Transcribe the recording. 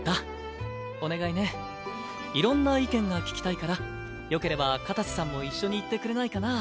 いろんな意見が聞きたいからよければ片瀬さんも一緒に行ってくれないかな？